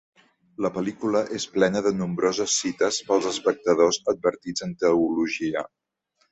La pel·lícula és plena de nombroses cites pels espectadors advertits en teologia.